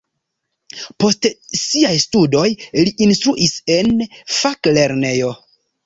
Post siaj studoj li instruis en faklernejo.